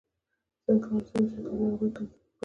څنګه کولی شم د شکر ناروغي کنټرول کړم